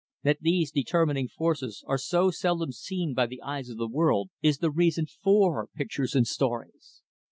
That these determining forces are so seldom seen by the eyes of the world, is the reason for pictures and stories.